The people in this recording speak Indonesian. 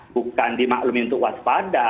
bukan dimaklumi untuk waspada